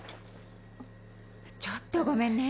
ちょっとごめんね。